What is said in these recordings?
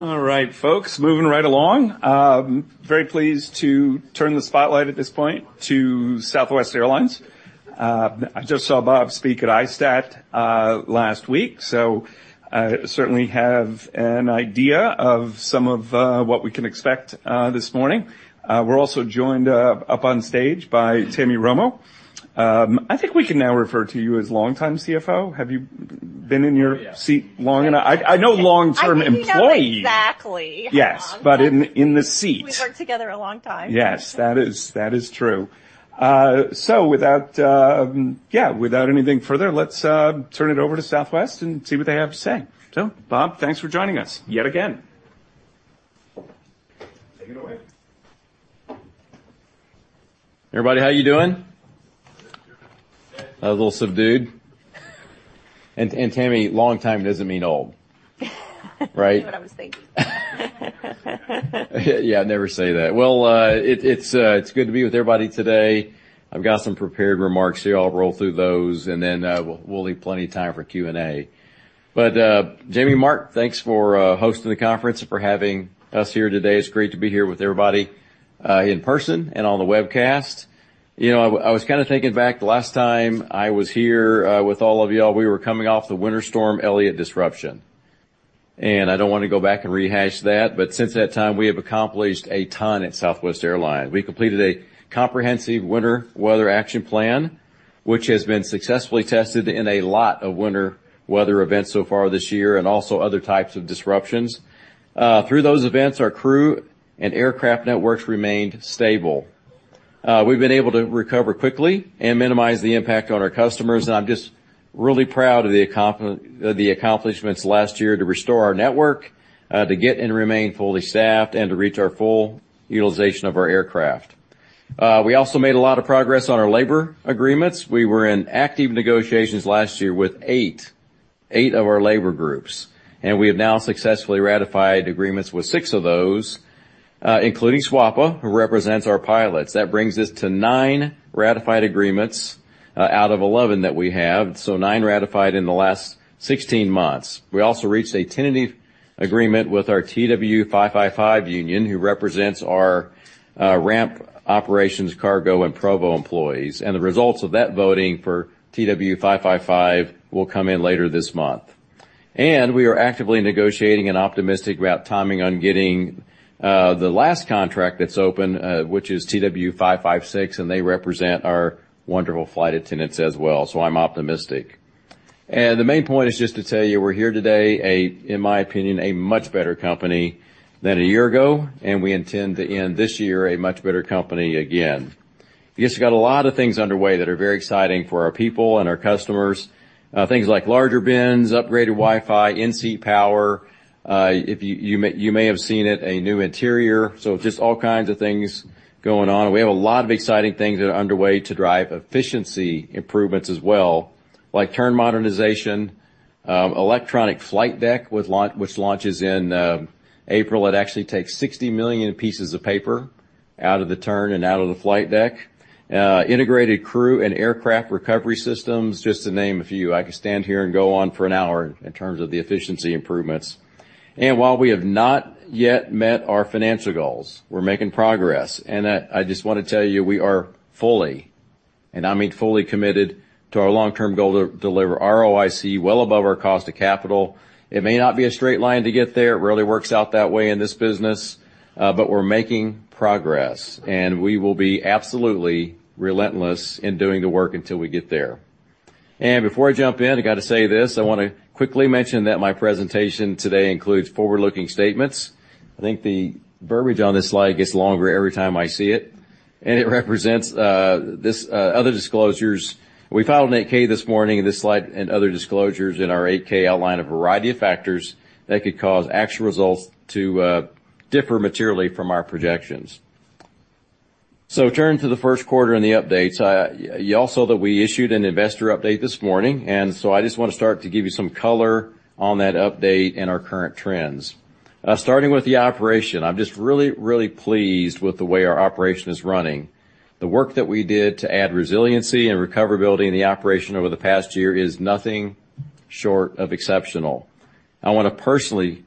All right, folks, moving right along. Very pleased to turn the spotlight at this point to Southwest Airlines. I just saw Bob speak at ISTAT last week, so I certainly have an idea of some of what we can expect this morning. We're also joined up on stage by Tammy Romo. I think we can now refer to you as longtime CFO. Have you been in your seat long enough? I, I know long-term employee. I don't know exactly how long. Yes, but in the seat. We've worked together a long time. Yes, that is, that is true. So without yeah, without anything further, let's turn it over to Southwest and see what they have to say. So, Bob, thanks for joining us, yet again. Take it away. Everybody, how you doing? A little subdued. And, Tammy, long time doesn't mean old. Right? That's what I was thinking. Yeah, never say that. Well, it's good to be with everybody today. I've got some prepared remarks here. I'll roll through those, and then, we'll leave plenty of time for Q&A. But, Jamie, Mark, thanks for hosting the conference and for having us here today. It's great to be here with everybody, in person and on the webcast. You know, I was kind of thinking back, the last time I was here, with all of you all, we were coming off the Winter Storm Elliott disruption. And I don't want to go back and rehash that, but since that time, we have accomplished a ton at Southwest Airlines. We completed a comprehensive winter weather action plan, which has been successfully tested in a lot of winter weather events so far this year, and also other types of disruptions. Through those events, our crew and aircraft networks remained stable. We've been able to recover quickly and minimize the impact on our customers, and I'm just really proud of the accomplishments last year to restore our network, to get and remain fully staffed and to reach our full utilization of our aircraft. We also made a lot of progress on our labor agreements. We were in active negotiations last year with eight, eight of our labor groups, and we have now successfully ratified agreements with six of those, including SWAPA, who represents our pilots. That brings us to nine ratified agreements, out of 11 that we have. So nine ratified in the last 16 months. We also reached a tentative agreement with our TWU 555 union, who represents our ramp operations, cargo, and provisioning employees, and the results of that voting for TWU 555 will come in later this month. We are actively negotiating and optimistic about timing on getting the last contract that's open, which is TWU 556, and they represent our wonderful flight attendants as well. So I'm optimistic. The main point is just to tell you, we're here today, in my opinion, a much better company than a year ago, and we intend to end this year a much better company again. We just got a lot of things underway that are very exciting for our people and our customers, things like larger bins, upgraded Wi-Fi, in-seat power. If you may have seen it, a new interior, so just all kinds of things going on. We have a lot of exciting things that are underway to drive efficiency improvements as well, like turn modernization, electronic flight deck, with launch which launches in April. It actually takes 60 million pieces of paper out of the turn and out of the flight deck. Integrated crew and aircraft recovery systems, just to name a few. I could stand here and go on for an hour in terms of the efficiency improvements. While we have not yet met our financial goals, we're making progress. I just want to tell you, we are fully, and I mean fully committed to our long-term goal to deliver ROIC well above our cost of capital. It may not be a straight line to get there. It rarely works out that way in this business, but we're making progress, and we will be absolutely relentless in doing the work until we get there. And before I jump in, I got to say this. I want to quickly mention that my presentation today includes forward-looking statements. I think the verbiage on this slide gets longer every time I see it, and it represents this other disclosures. We filed an 8-K this morning, and this slide and other disclosures in our 8-K outline a variety of factors that could cause actual results to differ materially from our projections. So turning to the first quarter and the updates, you all saw that we issued an investor update this morning, and so I just want to start to give you some color on that update and our current trends. Starting with the operation, I'm just really, really pleased with the way our operation is running. The work that we did to add resiliency and recoverability in the operation over the past year is nothing short of exceptional. I want to personally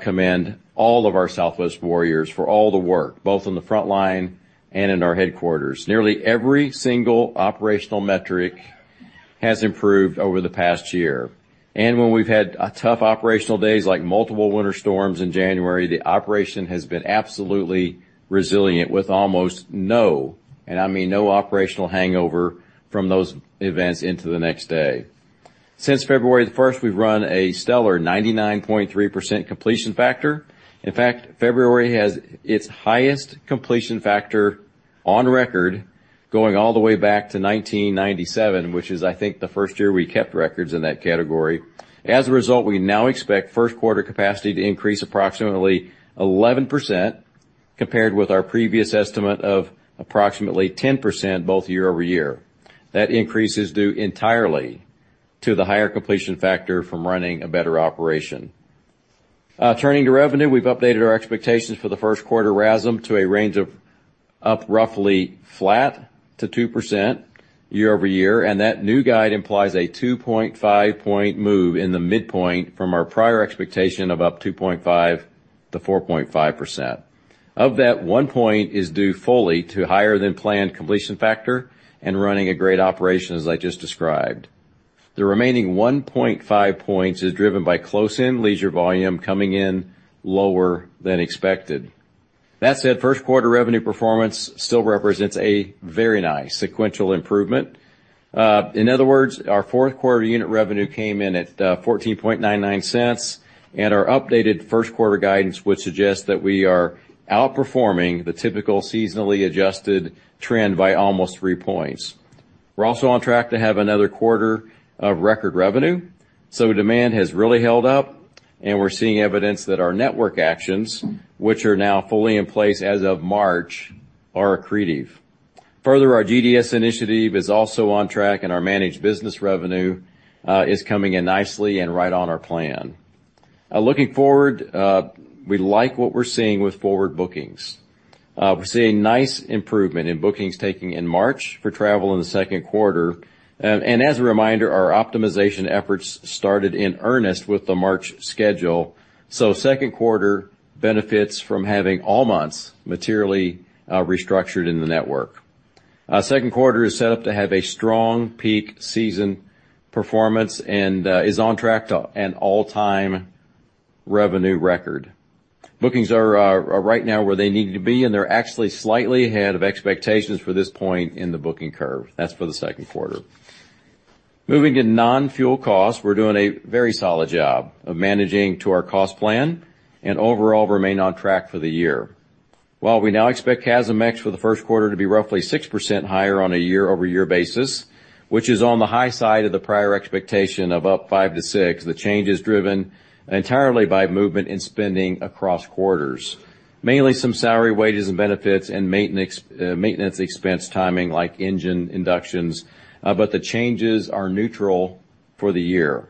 commend all of our Southwest warriors for all the work, both on the front line and in our headquarters. Nearly every single operational metric has improved over the past year, and when we've had tough operational days, like multiple winter storms in January, the operation has been absolutely resilient, with almost no, and I mean no operational hangover from those events into the next day. Since February 1, we've run a stellar 99.3% completion factor. In fact, February has its highest completion factor on record, going all the way back to 1997, which is, I think, the first year we kept records in that category. As a result, we now expect first quarter capacity to increase approximately 11% compared with our previous estimate of approximately 10%, both year-over-year. That increase is due entirely to the higher completion factor from running a better operation. Turning to revenue, we've updated our expectations for the first quarter RASM to a range of up roughly flat to 2% year-over-year, and that new guide implies a 2.5-point move in the midpoint from our prior expectation of up 2.5%-4.5%. Of that, one point is due fully to higher than planned completion factor and running a great operation, as I just described. The remaining 1.5 points is driven by close-in leisure volume coming in lower than expected. That said, first quarter revenue performance still represents a very nice sequential improvement. In other words, our fourth quarter unit revenue came in at $0.1499, and our updated first quarter guidance would suggest that we are outperforming the typical seasonally adjusted trend by almost 3 points. We're also on track to have another quarter of record revenue, so demand has really held up, and we're seeing evidence that our network actions, which are now fully in place as of March, are accretive. Further, our GDS initiative is also on track, and our managed business revenue is coming in nicely and right on our plan. Looking forward, we like what we're seeing with forward bookings. We're seeing nice improvement in bookings taking in March for travel in the second quarter. As a reminder, our optimization efforts started in earnest with the March schedule, so second quarter benefits from having all months materially restructured in the network. Second quarter is set up to have a strong peak season performance and is on track to an all-time revenue record. Bookings are right now where they need to be, and they're actually slightly ahead of expectations for this point in the booking curve. That's for the second quarter. Moving to non-fuel costs, we're doing a very solid job of managing to our cost plan and overall remain on track for the year. While we now expect CASM-ex for the first quarter to be roughly 6% higher on a year-over-year basis, which is on the high side of the prior expectation of up 5%-6%, the change is driven entirely by movement in spending across quarters. Mainly some salary, wages, and benefits and maintenance, maintenance expense timing, like engine inductions, but the changes are neutral for the year.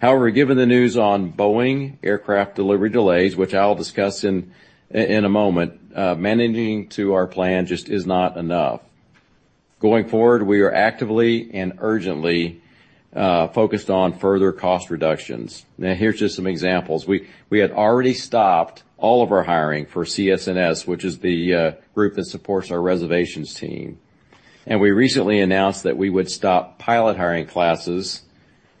However, given the news on Boeing aircraft delivery delays, which I'll discuss in a moment, managing to our plan just is not enough. Going forward, we are actively and urgently focused on further cost reductions. Now, here's just some examples. We had already stopped all of our hiring for CS&S, which is the group that supports our reservations team. We recently announced that we would stop pilot hiring classes,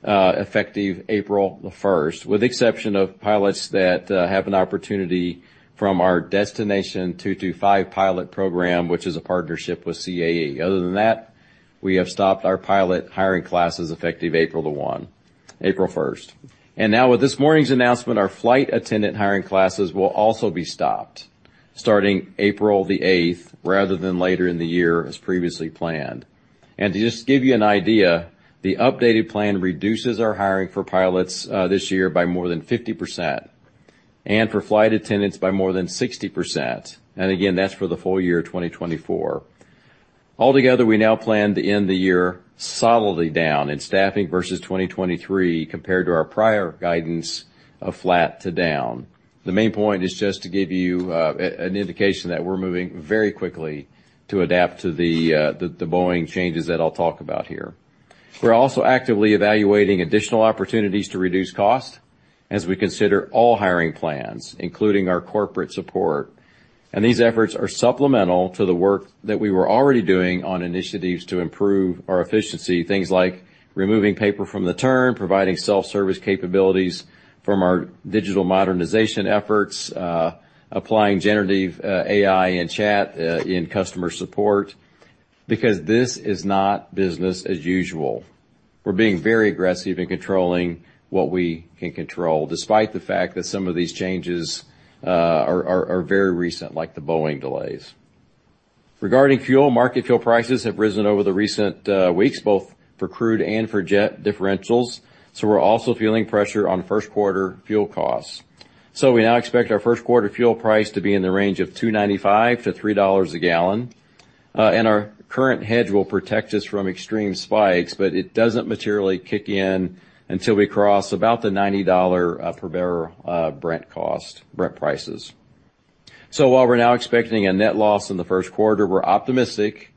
effective April 1, with the exception of pilots that have an opportunity from our Destination 225 pilot program, which is a partnership with CAE. Other than that, we have stopped our pilot hiring classes effective April 1. Now with this morning's announcement, our flight attendant hiring classes will also be stopped, starting April 8, rather than later in the year, as previously planned. To just give you an idea, the updated plan reduces our hiring for pilots this year by more than 50%, and for flight attendants by more than 60%. Again, that's for the full year, 2024. Altogether, we now plan to end the year solidly down in staffing versus 2023, compared to our prior guidance of flat to down. The main point is just to give you an indication that we're moving very quickly to adapt to the Boeing changes that I'll talk about here. We're also actively evaluating additional opportunities to reduce costs as we consider all hiring plans, including our corporate support. These efforts are supplemental to the work that we were already doing on initiatives to improve our efficiency, things like removing paper from the turn, providing self-service capabilities from our digital modernization efforts, applying generative AI and chat in customer support, because this is not business as usual. We're being very aggressive in controlling what we can control, despite the fact that some of these changes are very recent, like the Boeing delays. Regarding fuel, market fuel prices have risen over the recent weeks, both for crude and for jet differentials, so we're also feeling pressure on first quarter fuel costs. So we now expect our first quarter fuel price to be in the range of $2.95-$3 a gallon. And our current hedge will protect us from extreme spikes, but it doesn't materially kick in until we cross about the $90 per barrel Brent cost, Brent prices. So while we're now expecting a net loss in the first quarter, we're optimistic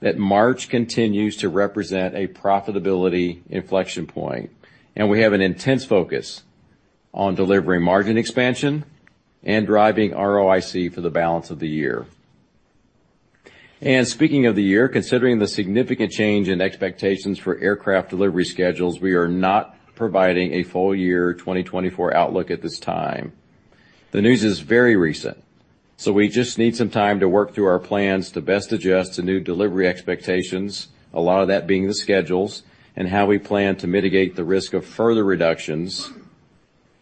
that March continues to represent a profitability inflection point, and we have an intense focus on delivering margin expansion and driving ROIC for the balance of the year. And speaking of the year, considering the significant change in expectations for aircraft delivery schedules, we are not providing a full year 2024 outlook at this time. The news is very recent, so we just need some time to work through our plans to best adjust to new delivery expectations, a lot of that being the schedules and how we plan to mitigate the risk of further reductions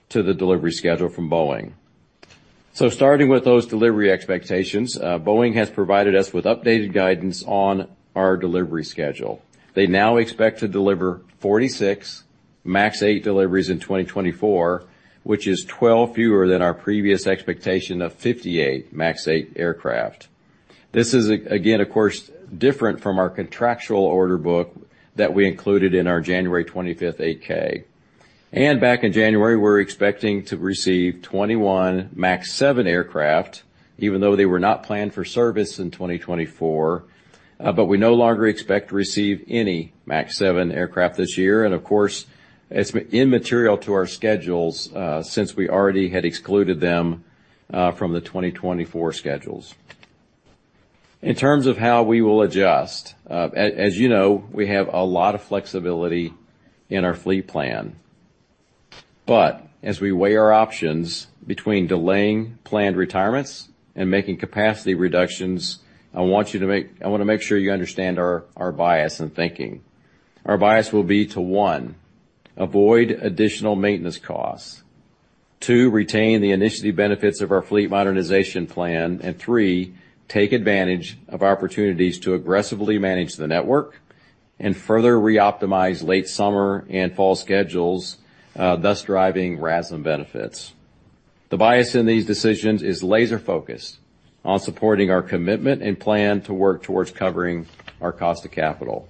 to the delivery schedule from Boeing. So starting with those delivery expectations, Boeing has provided us with updated guidance on our delivery schedule. They now expect to deliver 46 MAX 8 deliveries in 2024, which is 12 fewer than our previous expectation of 58 MAX 8 aircraft. This is again, of course, different from our contractual order book that we included in our January 25th 8-K. Back in January, we were expecting to receive 21 MAX 7 aircraft, even though they were not planned for service in 2024. But we no longer expect to receive any MAX 7 aircraft this year, and of course, it's immaterial to our schedules, since we already had excluded them from the 2024 schedules. In terms of how we will adjust, as you know, we have a lot of flexibility in our fleet plan. But as we weigh our options between delaying planned retirements and making capacity reductions, I wanna make sure you understand our bias in thinking. Our bias will be to, one, avoid additional maintenance costs, two, retain the initiative benefits of our fleet modernization plan, and three, take advantage of opportunities to aggressively manage the network and further reoptimize late summer and fall schedules, thus driving RASM benefits. The bias in these decisions is laser-focused on supporting our commitment and plan to work towards covering our cost of capital.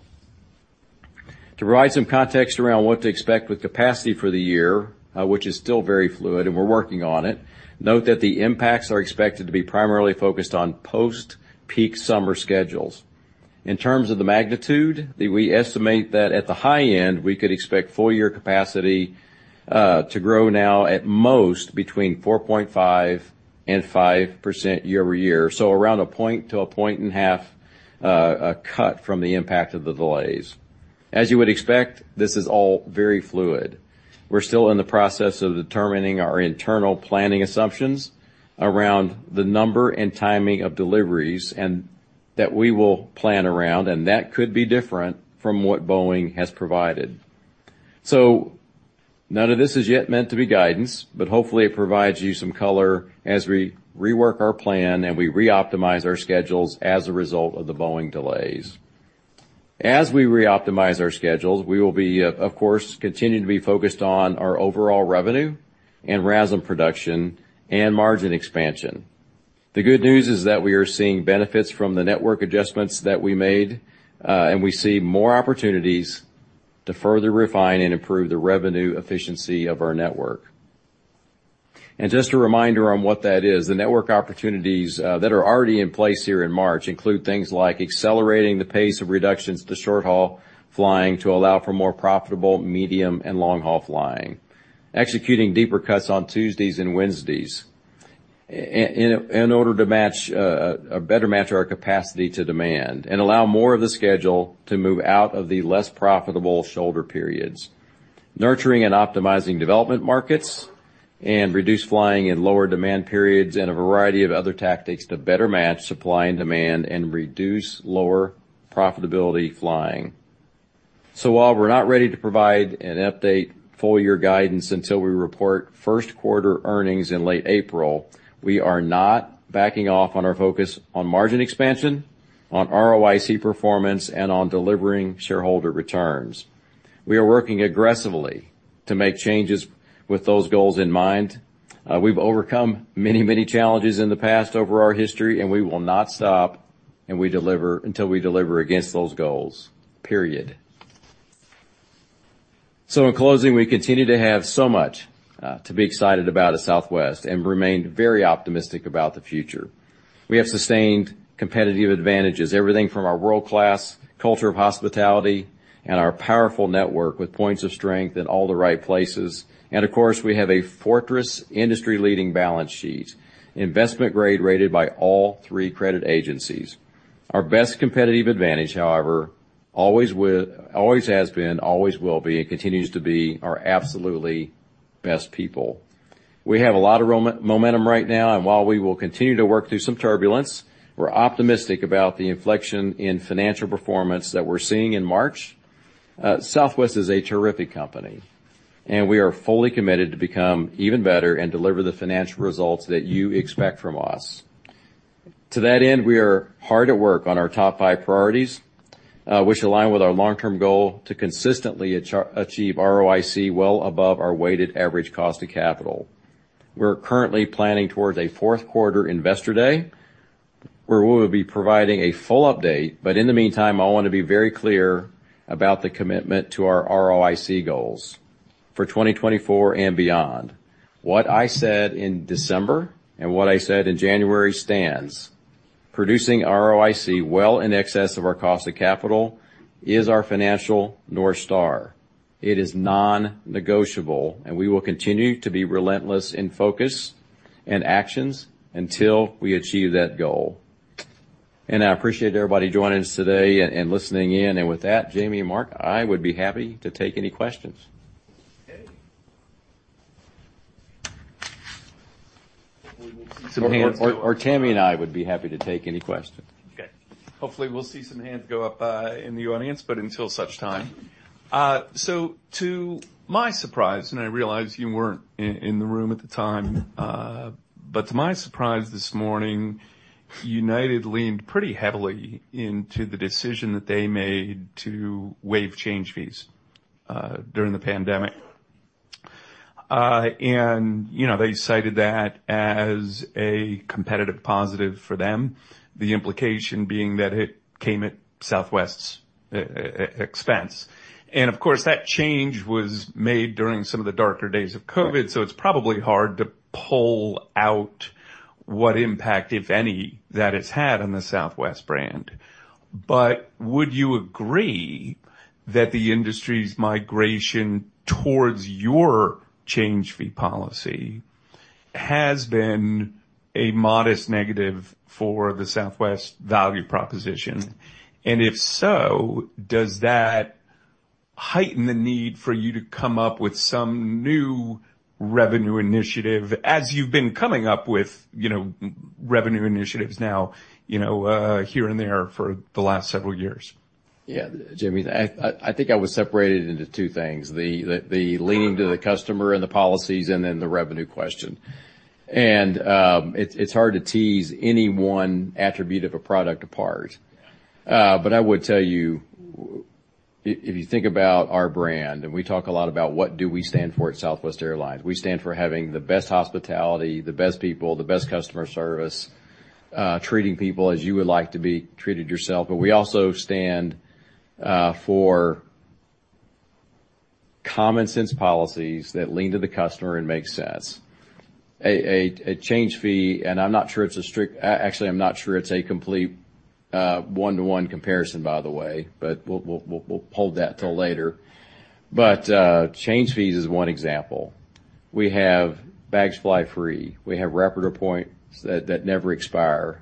To provide some context around what to expect with capacity for the year, which is still very fluid, and we're working on it, note that the impacts are expected to be primarily focused on post-peak summer schedules. In terms of the magnitude, we estimate that at the high end, we could expect full-year capacity to grow now at most between 4.5% and 5% year-over-year. So around 1 point to 1.5 points, a cut from the impact of the delays. As you would expect, this is all very fluid. We're still in the process of determining our internal planning assumptions around the number and timing of deliveries, and that we will plan around, and that could be different from what Boeing has provided. So none of this is yet meant to be guidance, but hopefully, it provides you some color as we rework our plan and we reoptimize our schedules as a result of the Boeing delays. As we reoptimize our schedules, we will be, of course, continuing to be focused on our overall revenue and RASM production and margin expansion. The good news is that we are seeing benefits from the network adjustments that we made, and we see more opportunities to further refine and improve the revenue efficiency of our network. And just a reminder on what that is, the network opportunities that are already in place here in March include things like accelerating the pace of reductions to short-haul flying to allow for more profitable medium and long-haul flying. Executing deeper cuts on Tuesdays and Wednesdays in order to match better match our capacity to demand and allow more of the schedule to move out of the less profitable shoulder periods. Nurturing and optimizing development markets, and reduce flying in lower demand periods, and a variety of other tactics to better match supply and demand and reduce lower profitability flying. So while we're not ready to provide an update full-year guidance until we report first quarter earnings in late April, we are not backing off on our focus on margin expansion, on ROIC performance, and on delivering shareholder returns. We are working aggressively to make changes with those goals in mind. We've overcome many, many challenges in the past over our history, and we will not stop until we deliver against those goals, period. So in closing, we continue to have so much to be excited about at Southwest and remain very optimistic about the future. We have sustained competitive advantages, everything from our world-class culture of hospitality and our powerful network with points of strength in all the right places. And of course, we have a fortress industry-leading balance sheet, investment grade rated by all three credit agencies. Our best competitive advantage, however, always has been, always will be, and continues to be our absolutely best people. We have a lot of momentum right now, and while we will continue to work through some turbulence, we're optimistic about the inflection in financial performance that we're seeing in March. Southwest is a terrific company, and we are fully committed to become even better and deliver the financial results that you expect from us. To that end, we are hard at work on our top five priorities, which align with our long-term goal to consistently achieve ROIC well above our weighted average cost of capital. We're currently planning towards a fourth quarter investor day, where we will be providing a full update. But in the meantime, I want to be very clear about the commitment to our ROIC goals for 2024 and beyond. What I said in December and what I said in January stands. Producing ROIC well in excess of our cost of capital is our financial North Star. It is non-negotiable, and we will continue to be relentless in focus and actions until we achieve that goal. I appreciate everybody joining us today and listening in. With that, Jamie, Mark, I would be happy to take any questions. Okay. We will see- Or, Tammy and I would be happy to take any questions. Okay. Hopefully, we'll see some hands go up, in the audience, but until such time... So to my surprise, and I realize you weren't in the room at the time, but to my surprise this morning, United leaned pretty heavily into the decision that they made to waive change fees, during the pandemic... And, you know, they cited that as a competitive positive for them, the implication being that it came at Southwest's, expense. And, of course, that change was made during some of the darker days of COVID, so it's probably hard to pull out what impact, if any, that it's had on the Southwest brand. But would you agree that the industry's migration towards your change fee policy has been a modest negative for the Southwest value proposition? If so, does that heighten the need for you to come up with some new revenue initiative, as you've been coming up with, you know, revenue initiatives now, you know, here and there for the last several years? Yeah, Jamie, I think I was separated into two things, the leaning to the customer and the policies and then the revenue question. And, it's hard to tease any one attribute of a product apart. But I would tell you, if you think about our brand, and we talk a lot about what do we stand for at Southwest Airlines? We stand for having the best hospitality, the best people, the best customer service, treating people as you would like to be treated yourself. But we also stand for common sense policies that lean to the customer and make sense. A change fee, and I'm not sure it's a strict, actually, I'm not sure it's a complete one-to-one comparison, by the way, but we'll hold that till later. But change fees is one example. We have Bags Fly free. We have Rapid Rewards Points that never expire.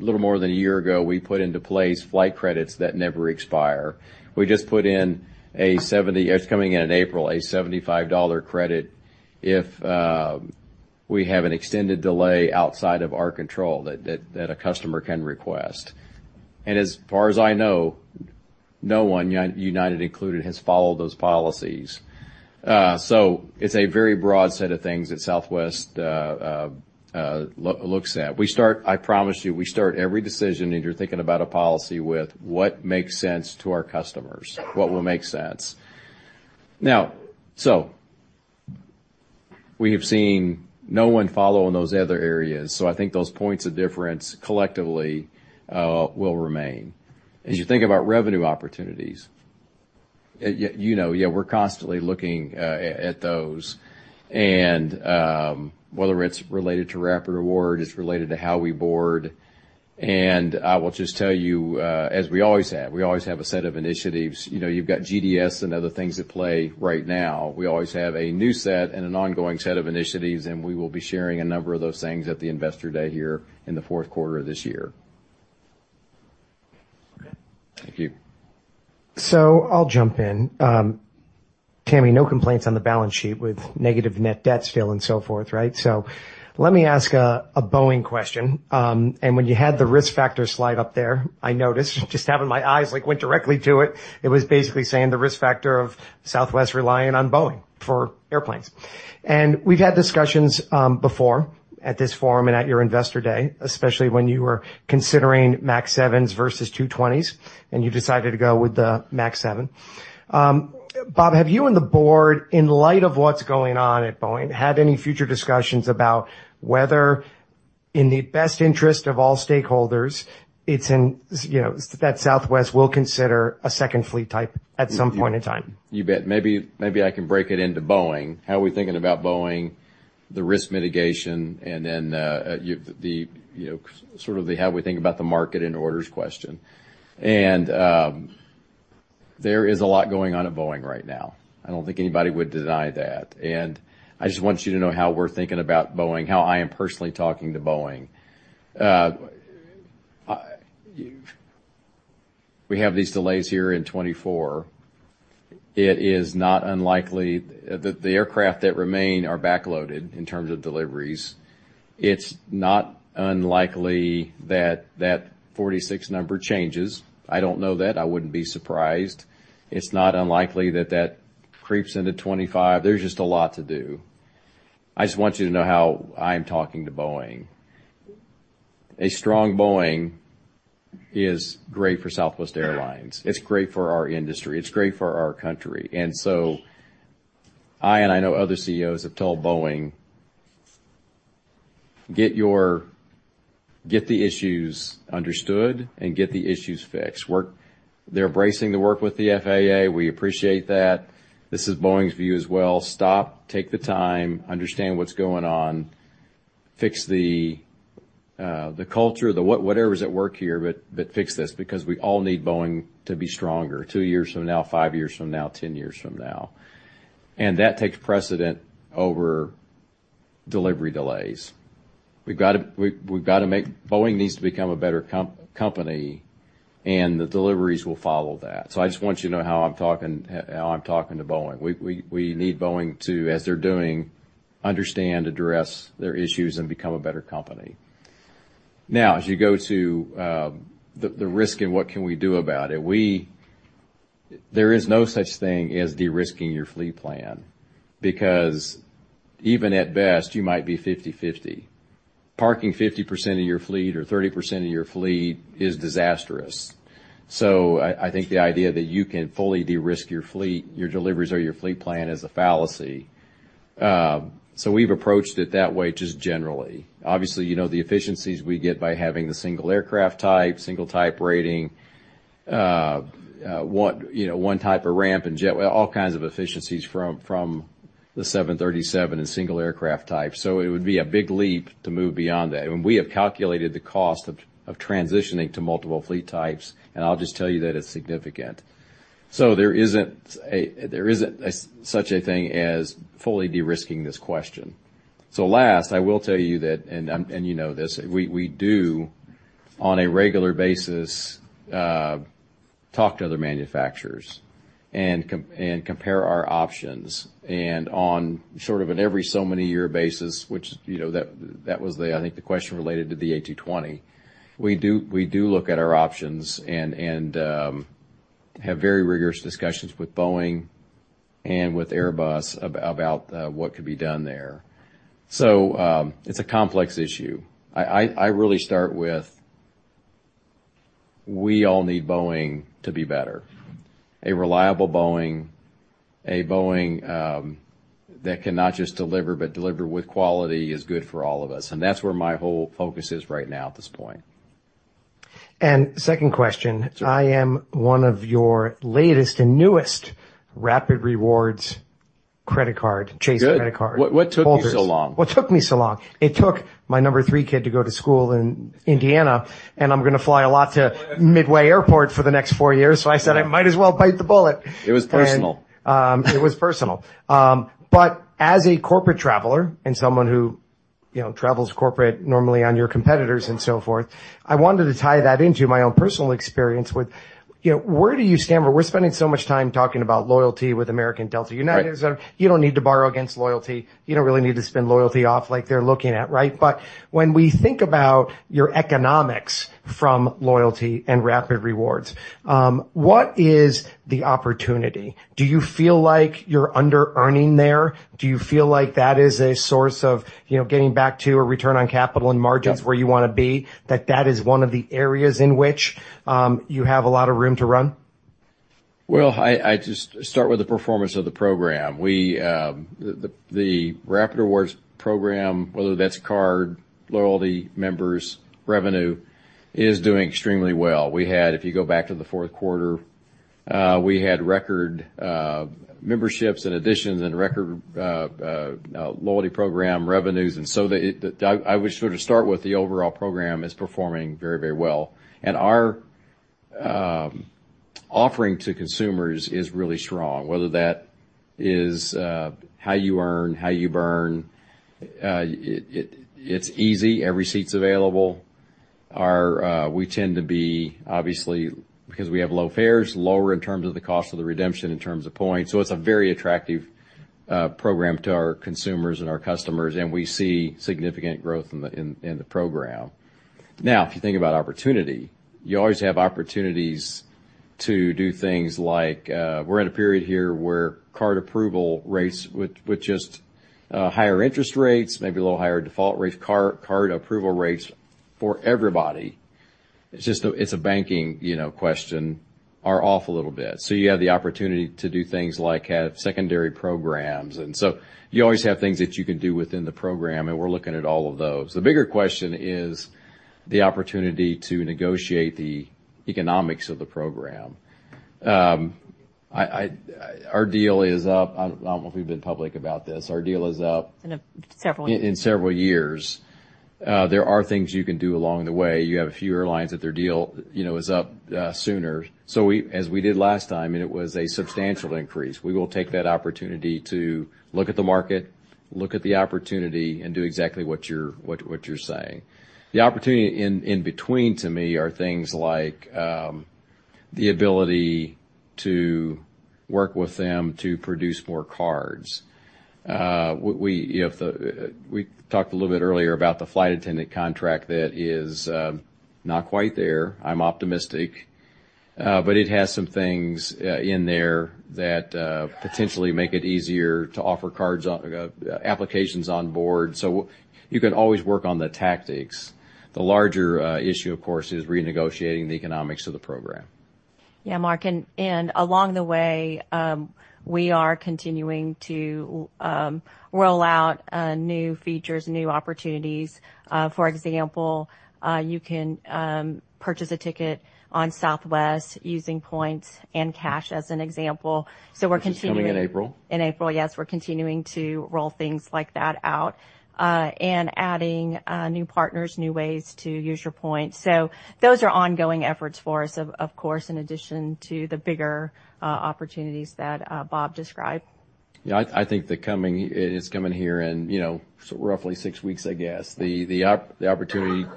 A little more than a year ago, we put into place flight credits that never expire. We just put in. It's coming in April, a $75 credit if we have an extended delay outside of our control that a customer can request. And as far as I know, no one, United included, has followed those policies. So it's a very broad set of things that Southwest looks at. We start. I promise you, we start every decision, if you're thinking about a policy, with what makes sense to our customers, what will make sense. Now, so we have seen no one follow in those other areas, so I think those points of difference, collectively, will remain. As you think about revenue opportunities, you know, yeah, we're constantly looking at those. And whether it's related to Rapid Rewards, it's related to how we board. And I will just tell you, as we always have, we always have a set of initiatives. You know, you've got GDS and other things at play right now. We always have a new set and an ongoing set of initiatives, and we will be sharing a number of those things at the Investor Day here in the fourth quarter of this year. Thank you. So I'll jump in. Tammy, no complaints on the balance sheet with negative net debt still and so forth, right? So let me ask a Boeing question. And when you had the risk factor slide up there, I noticed, just having my eyes, like, went directly to it. It was basically saying the risk factor of Southwest relying on Boeing for airplanes. And we've had discussions, before at this forum and at your Investor Day, especially when you were considering MAX 7s versus 220s, and you decided to go with the MAX 7. Bob, have you and the board, in light of what's going on at Boeing, had any future discussions about whether, in the best interest of all stakeholders, it's in, you know, that Southwest will consider a second fleet type at some point in time? You bet. Maybe, maybe I can break it into Boeing. How are we thinking about Boeing, the risk mitigation, and then, you know, sort of the how we think about the market and orders question. And there is a lot going on at Boeing right now. I don't think anybody would deny that. And I just want you to know how we're thinking about Boeing, how I am personally talking to Boeing. We have these delays here in 2024. It is not unlikely. The aircraft that remain are backloaded in terms of deliveries. It's not unlikely that that 46 number changes. I don't know that. I wouldn't be surprised. It's not unlikely that that creeps into 2025. There's just a lot to do. I just want you to know how I'm talking to Boeing. A strong Boeing is great for Southwest Airlines, it's great for our industry, it's great for our country. And so I, and I know other CEOs, have told Boeing: "Get the issues understood and get the issues fixed." They're bracing to work with the FAA. We appreciate that. This is Boeing's view as well. Stop, take the time, understand what's going on, fix the culture, whatever's at work here, but fix this, because we all need Boeing to be stronger, two years from now, five years from now, 10 years from now. And that takes precedence over delivery delays. We've got to make—Boeing needs to become a better company, and the deliveries will follow that. So I just want you to know how I'm talking, how I'm talking to Boeing. We need Boeing to, as they're doing, understand, address their issues, and become a better company. Now, as you go to the risk and what can we do about it, we, there is no such thing as de-risking your fleet plan, because even at best, you might be 50/50... parking 50% of your fleet or 30% of your fleet is disastrous. So I think the idea that you can fully de-risk your fleet, your deliveries or your fleet plan, is a fallacy. So we've approached it that way, just generally. Obviously, you know, the efficiencies we get by having the single aircraft type, single type rating, one, you know, one type of ramp and jet, well, all kinds of efficiencies from the 737 and single aircraft type. So it would be a big leap to move beyond that. And we have calculated the cost of transitioning to multiple fleet types, and I'll just tell you that it's significant. So there isn't a such a thing as fully de-risking this question. So last, I will tell you that, and you know this, we do, on a regular basis, talk to other manufacturers and compare our options. And on sort of an every so many year basis, which, you know, that was the, I think, the question related to the A220. We do look at our options and have very rigorous discussions with Boeing and with Airbus about what could be done there. So it's a complex issue. I really start with, we all need Boeing to be better. A reliable Boeing that cannot just deliver, but deliver with quality, is good for all of us, and that's where my whole focus is right now at this point. Second question: I am one of your latest and newest Rapid Rewards credit card- Good. Chase credit card. What, what took you so long? What took me so long? It took my number three kid to go to school in Indiana, and I'm gonna fly a lot to Midway Airport for the next four years, so I said, "I might as well bite the bullet. It was personal. It was personal. But as a corporate traveler and someone who, you know, travels corporate normally on your competitors and so forth, I wanted to tie that into my own personal experience with, you know, where do you stand? Where we're spending so much time talking about loyalty with American, Delta. Right. United, you don't need to borrow against loyalty. You don't really need to spend loyalty off like they're looking at, right? But when we think about your economics from loyalty and Rapid Rewards, what is the opportunity? Do you feel like you're under-earning there? Do you feel like that is a source of, you know, getting back to a return on capital and margins- Yeah... where you wanna be? That that is one of the areas in which, you have a lot of room to run? Well, I just start with the performance of the program. We, the Rapid Rewards program, whether that's card, loyalty, members, revenue, is doing extremely well. We had, if you go back to the fourth quarter, we had record loyalty program revenues. And so, I would sort of start with the overall program is performing very, very well. And our offering to consumers is really strong, whether that is, how you earn, how you burn, it's easy. Every seat's available. We tend to be, obviously, because we have low fares, lower in terms of the cost of the redemption, in terms of points. So it's a very attractive program to our consumers and our customers, and we see significant growth in the program. Now, if you think about opportunity, you always have opportunities to do things like, we're in a period here where card approval rates with just higher interest rates, maybe a little higher default rates, card approval rates for everybody. It's just a banking, you know, question, are off a little bit. So you have the opportunity to do things like have secondary programs, and so you always have things that you can do within the program, and we're looking at all of those. The bigger question is the opportunity to negotiate the economics of the program. Our deal is up. I don't know if we've been public about this. Our deal is up- Several years. In several years. There are things you can do along the way. You have a few airlines that their deal, you know, is up sooner. So we, as we did last time, and it was a substantial increase, we will take that opportunity to look at the market, look at the opportunity, and do exactly what you're, what, what you're saying. The opportunity in between, to me, are things like the ability to work with them to produce more cards. We, if the... We talked a little bit earlier about the flight attendant contract that is not quite there. I'm optimistic, but it has some things in there that potentially make it easier to offer cards on applications on board. So you can always work on the tactics. The larger issue, of course, is renegotiating the economics of the program. Yeah, Mark, and along the way, we are continuing to roll out new features, new opportunities. For example, you can purchase a ticket on Southwest using points and cash as an example. So we're continuing- Which is coming in April. In April, yes. We're continuing to roll things like that out, and adding new partners, new ways to use your points. So those are ongoing efforts for us, of course, in addition to the bigger opportunities that Bob described. Yeah, I think it's coming here in, you know, roughly six weeks, I guess. The opportunity,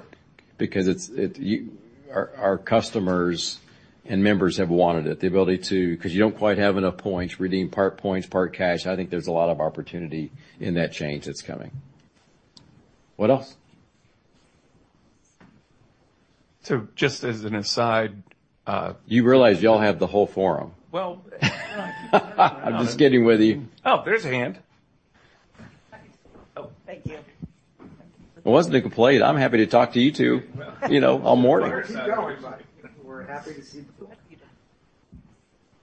because our customers and members have wanted it, the ability to... Because you don't quite have enough points, redeem part points, part cash. I think there's a lot of opportunity in that change that's coming. What else?... So just as an aside, You realize you all have the whole forum? Well, I'm just kidding with you. Oh, there's a hand. Oh, thank you. It wasn't a complaint. I'm happy to talk to you two, you know, all morning. Keep going, Mike. We're happy to see people.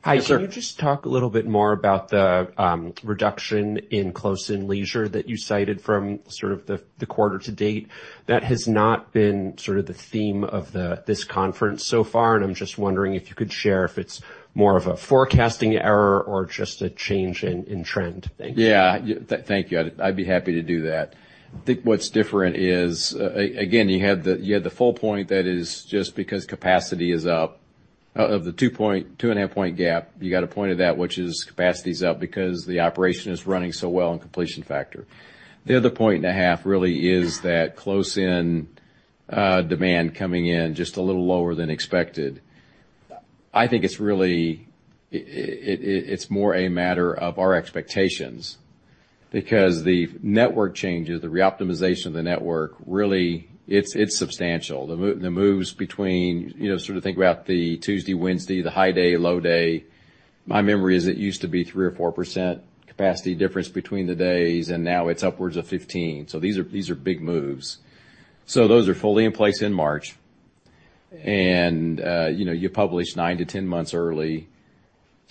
Hi. Yes, sir. Can you just talk a little bit more about the reduction in close-in leisure that you cited from sort of the quarter to date? That has not been sort of the theme of this conference so far, and I'm just wondering if you could share if it's more of a forecasting error or just a change in trend. Thank you. Yeah. Thank you. I'd be happy to do that. I think what's different is, again, you had the full point, that is just because capacity is up. Of the 2-point, 2.5-point gap, you got 1 point of that, which is capacity is up because the operation is running so well in completion factor. The other 1.5 really is that close-in demand coming in just a little lower than expected. I think it's really, it's more a matter of our expectations, because the network changes, the reoptimization of the network, really, it's substantial. The moves between, you know, sort of think about the Tuesday, Wednesday, the high day, low day. My memory is it used to be 3 or 4% capacity difference between the days, and now it's upwards of 15. So these are big moves. So those are fully in place in March. And you know, you publish nine-10 months early.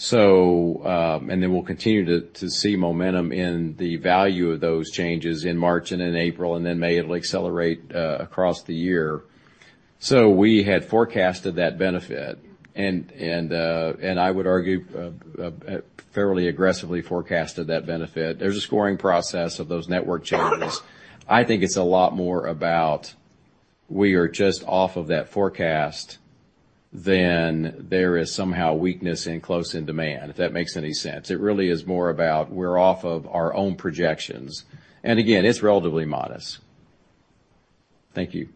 So and then we'll continue to see momentum in the value of those changes in March and in April, and then May, it'll accelerate across the year. So we had forecasted that benefit, and I would argue fairly aggressively forecasted that benefit. There's a scoring process of those network changes. I think it's a lot more about we are just off of that forecast than there is somehow weakness in close-in demand, if that makes any sense. It really is more about we're off of our own projections. And again, it's relatively modest. Thank you.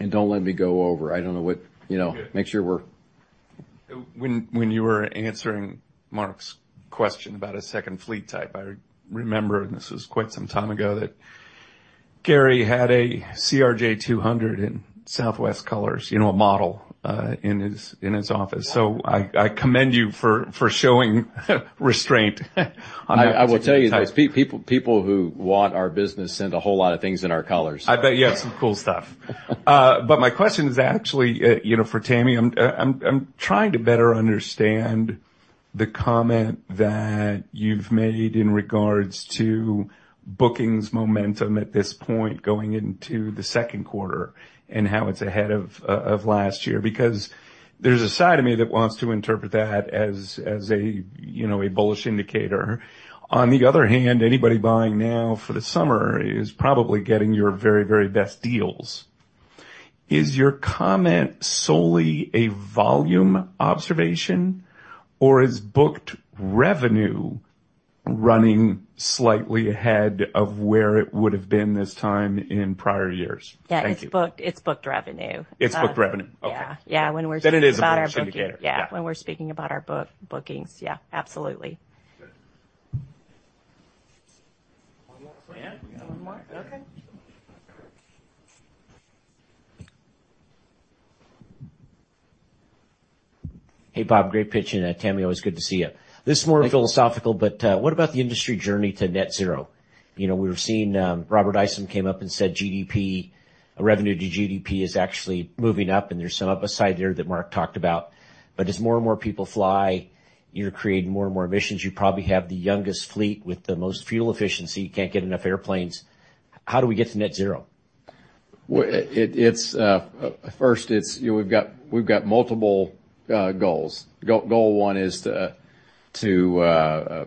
Don't let me go over. I don't know what... You know, make sure we're- When, when you were answering Mark's question about a second fleet type, I remember, and this was quite some time ago, that Gary had a CRJ-200 in Southwest colors, you know, a model, in his, in his office. So I, I commend you for, for showing restraint on that. I will tell you this, people, people who want our business send a whole lot of things in our colors. I bet you have some cool stuff. But my question is actually, you know, for Tammy, I'm trying to better understand the comment that you've made in regards to bookings momentum at this point, going into the second quarter and how it's ahead of last year, because there's a side of me that wants to interpret that as a you know, a bullish indicator. On the other hand, anybody buying now for the summer is probably getting your very, very best deals. Is your comment solely a volume observation, or is booked revenue running slightly ahead of where it would have been this time in prior years? Thank you. Yeah, it's booked, it's booked revenue. It's booked revenue? Yeah. Okay. Yeah, when we're- It is about our booking. Yeah, when we're speaking about our bookings, yeah, absolutely. Good. One more. We have one more? Okay. Hey, Bob, great pitch, and Tammy, always good to see you. Thank you. This is more philosophical, but what about the industry journey to net zero? You know, we've seen Robert Isom came up and said, GDP, revenue to GDP is actually moving up, and there's some upside there that Mark talked about. But as more and more people fly, you're creating more and more emissions. You probably have the youngest fleet with the most fuel efficiency. You can't get enough airplanes. How do we get to net zero? Well, it's... First, it's, you know, we've got multiple goals. Goal one is to have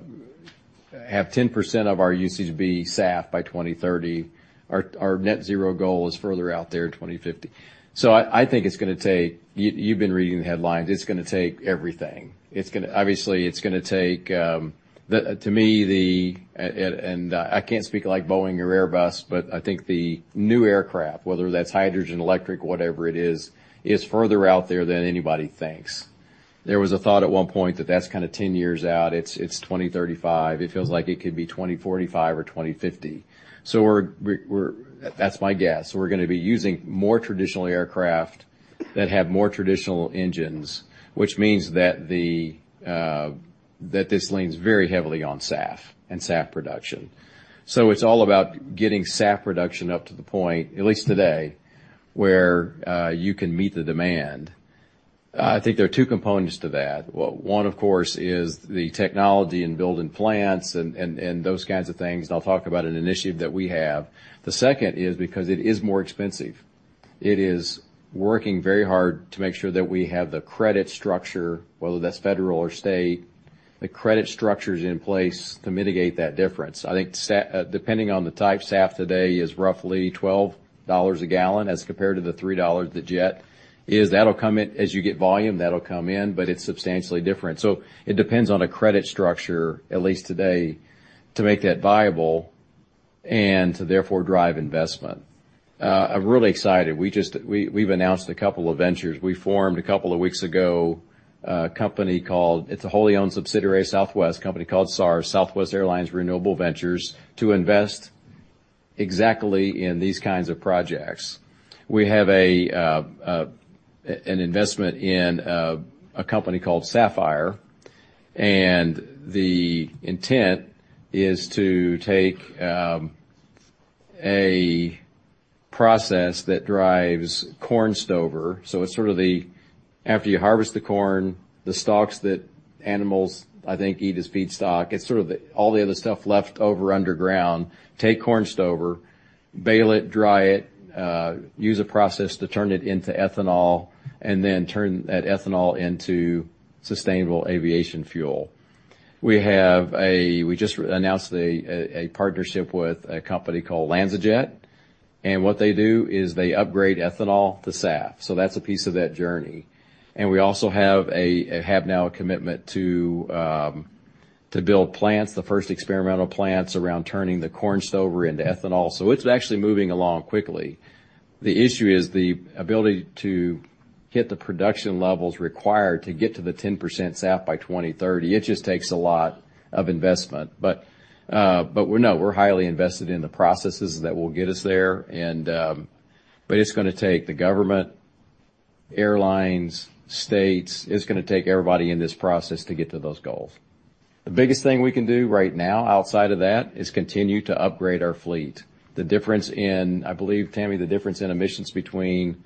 10% of our usage be SAF by 2030. Our net zero goal is further out there, 2050. So I think it's gonna take... You've been reading the headlines. It's gonna take everything. It's gonna take, obviously, to me, and I can't speak for Boeing or Airbus, but I think the new aircraft, whether that's hydrogen, electric, whatever it is, is further out there than anybody thinks. There was a thought at one point that that's kind of 10 years out. It's 2035. It feels like it could be 2045 or 2050. So that's my guess. We're gonna be using more traditional aircraft that have more traditional engines, which means that the, that this leans very heavily on SAF and SAF production. So it's all about getting SAF production up to the point, at least today, where you can meet the demand. I think there are two components to that. Well, one, of course, is the technology and building plants and, and, and those kinds of things. I'll talk about an initiative that we have. The second is because it is more expensive, it is working very hard to make sure that we have the credit structure, whether that's federal or state, the credit structures in place to mitigate that difference. I think SAF, depending on the type, today is roughly $12 a gallon as compared to the $3 the jet is. That'll come in. As you get volume, that'll come in, but it's substantially different. So it depends on a credit structure, at least today, to make that viable and to therefore drive investment. I'm really excited. We've announced a couple of ventures. We formed, a couple of weeks ago, a company called, it's a wholly-owned subsidiary of Southwest, a company called SARV, Southwest Airlines Renewable Ventures, to invest exactly in these kinds of projects. We have an investment in a company called SAFFiRE, and the intent is to take a process that drives corn stover. So it's sort of the after you harvest the corn, the stalks that animals, I think, eat as feedstock, it's sort of the, all the other stuff left over underground. Take corn stover, bale it, dry it, use a process to turn it into ethanol, and then turn that ethanol into sustainable aviation fuel. We have. We just announced a partnership with a company called LanzaJet, and what they do is they upgrade ethanol to SAF. So that's a piece of that journey. And we also have now a commitment to build plants, the first experimental plants, around turning the corn stover into ethanol. So it's actually moving along quickly. The issue is the ability to get the production levels required to get to the 10% SAF by 2030. It just takes a lot of investment, but we're... No, we're highly invested in the processes that will get us there, and... But it's gonna take the government, airlines, states, it's gonna take everybody in this process to get to those goals. The biggest thing we can do right now, outside of that, is continue to upgrade our fleet. The difference in, I believe, Tammy, the difference in emissions between,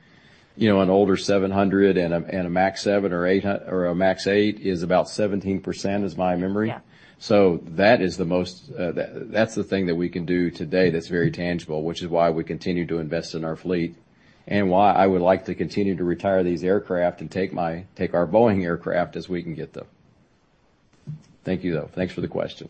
you know, an older 737 and a 737 MAX 7 or a 737 MAX 8 is about 17%, is my memory? Yeah. So that is the most, that's the thing that we can do today that's very tangible, which is why we continue to invest in our fleet, and why I would like to continue to retire these aircraft and take our Boeing aircraft as we can get them. Thank you, though. Thanks for the question.